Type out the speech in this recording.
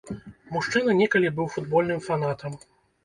Мужчына некалі быў футбольным фанатам.